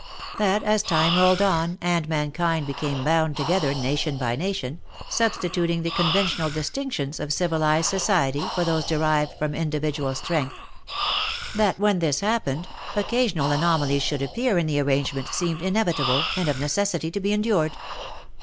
That, as time rolled on, and mankind became bound together nation by nation, substituting the conventional distinctions of civilized society for those derived from individual strength, — that when this happened, occasional anomalies should appear in the arrangement, seemed inevitable, and of necessity to be endured.